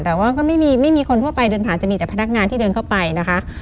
แต่ว่าก็ไม่มีไม่มีคนทั่วไปเดินผ่านจะมีแต่พนักงานที่เดินเข้าไปนะคะ